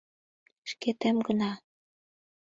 — Шкетем гына.